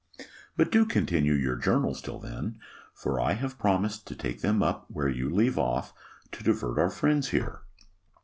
But do continue your journals till then; for I have promised to take them up where you leave off, to divert our friends here.